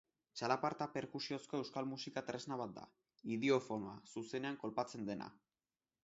Txalaparta perkusiozko euskal musika tresna bat da, idiofonoa, zuzenean kolpatzen dena.